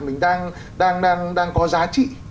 mình đang có giá trị